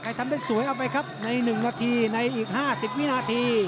ทำได้สวยเอาไปครับใน๑นาทีในอีก๕๐วินาที